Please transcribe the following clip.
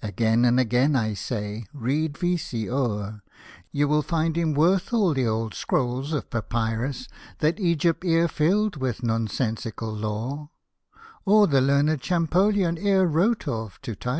Again and again I say, read V — sey o'er ;— You will find him worth all the old scrolls of papyrus. That Egypt e'er filled with nonsensical lore, Or the learned Champollion e'er wrote of, to tire us.